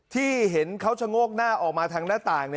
ที่เห็นเขาชะโงกหน้าออกมาทางหน้าต่าง